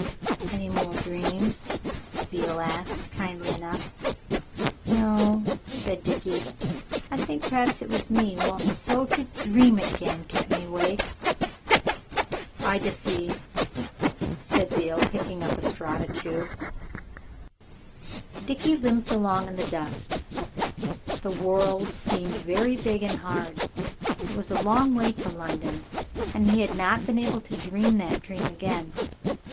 "Any more dreams?" Beale asked kindly enough. "No," said Dickie. "I think p'raps it was me wanting so to dream it again kep' me awake." "I dessey," said Beale, picking up a straw to chew. Dickie limped along in the dust, the world seemed very big and hard. It was a long way to London and he had not been able to dream that dream again.